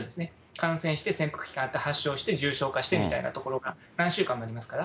感染して、潜伏期間があって発症して重症化してみたいなところが何週間もありますから。